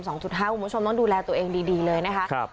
คุณผู้ชมต้องดูแลตัวเองดีเลยนะคะ